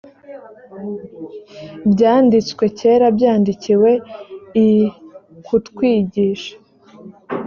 byanditswe kera byandikiwe i kutwigisha